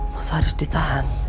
mas haris ditahan